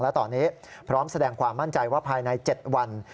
และตอนนี้พร้อมแสดงความมั่นใจว่าภายใน๗วัน